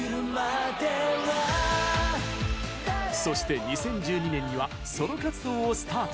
そして、２０１２年にはソロ活動をスタート。